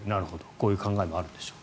こういう考えもあるでしょう。